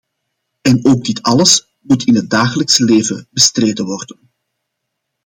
En ook dit alles moet in het dagelijks leven bestreden worden.